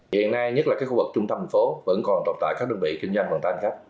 hiện nay nhất là các khu vực trung tâm phố vẫn còn tồn tại các đơn vị kinh doanh vận tải khác